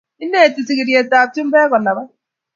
Inetii sigiryetab chumbek kolabat